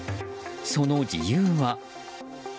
その理由は。